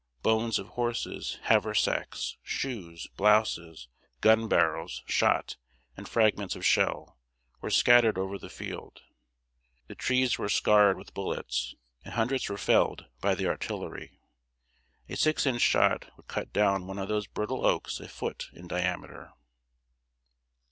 Bones of horses, haversacks, shoes, blouses, gun barrels, shot, and fragments of shell, were scattered over the field. The trees were scarred with bullets, and hundreds were felled by the artillery. A six inch shot would cut down one of these brittle oaks a foot in diameter.